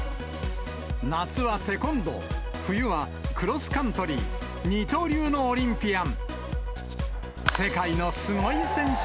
夏はテコンドー、冬はクロスカントリー、二刀流のオリンピアン。